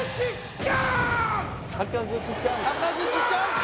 坂口チャンス？